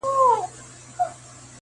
بوډا په ټولو کي پردی سړی لیدلای نه سو-